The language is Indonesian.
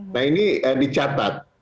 nah ini dicatat